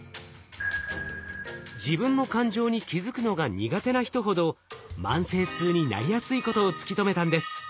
自分の感情に気づくのが苦手な人ほど慢性痛になりやすいことを突き止めたんです。